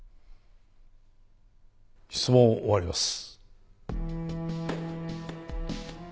質問を終わります。